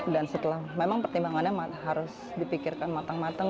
dan setelah memang pertimbangannya harus dipikirkan matang matang